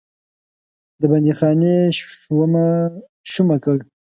د بندیخانې شومه کړ.